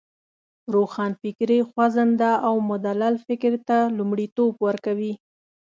روښانفکري خوځنده او مدلل فکر ته لومړیتوب ورکوی.